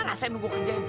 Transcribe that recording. rasain dulu gue kanjain